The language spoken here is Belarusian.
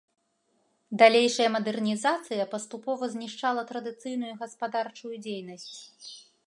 Далейшая мадэрнізацыя паступова знішчала традыцыйную гаспадарчую дзейнасць.